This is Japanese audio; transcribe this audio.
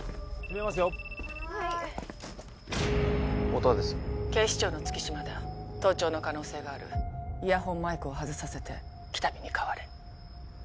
音羽です☎警視庁の月島だ☎盗聴の可能性があるイヤホンマイクを外させて喜多見に代われ